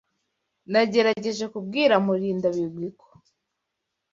Nagerageje kubwira Murindabigwi ko.